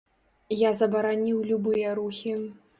Я забараніў любыя рухі.